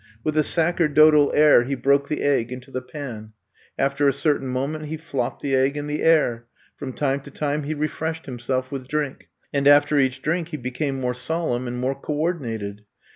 With a sacerdotal air he broke the egg into the pan. After a certain moment he flopped the egg in the air. From time to time he refreshed himself with drink, and after each drink he became more solemn and more coordinated.